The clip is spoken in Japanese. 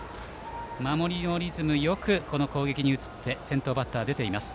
守りのリズムよく攻撃に移って先頭バッターが出ています。